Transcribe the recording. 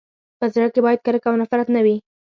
په زړه کي باید کرکه او نفرت نه وي.